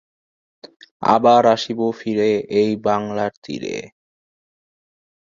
এই দলের প্রধান কার্যালয় গাম্বিয়ার বৃহত্তম শহর সেরেকুন্দায় অবস্থিত।